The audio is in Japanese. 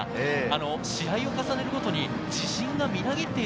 試合を重ねるごとに自信がみなぎっている。